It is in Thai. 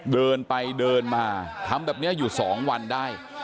เดินไปเดินมาทำแบบนี้อยู่๒วันได้